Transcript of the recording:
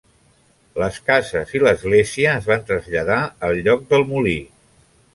Les cases i l'església es van traslladar al lloc del molí.